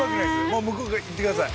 もう向こう行って下さい。